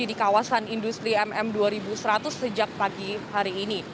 di kawasan industri mm dua ribu seratus sejak pagi hari ini